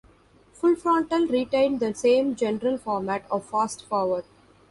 "Full Frontal" retained the same general format of "Fast Forward".